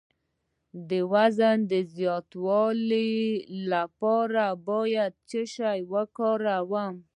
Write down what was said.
د وزن د زیاتولو لپاره باید څه شی وکاروم؟